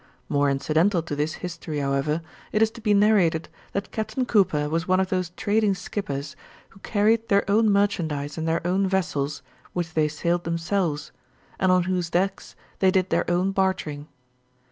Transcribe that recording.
More incidental to this history, however, it is to be narrated that Captain Cooper was one of those trading skippers who carried their own merchandise in their own vessels which they sailed themselves, and on whose decks they did their own bartering.